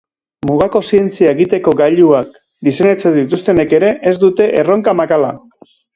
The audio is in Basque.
Mugako zientzia egiteko gailuak diseinatzen dituztenek ere ez dute erronka makala.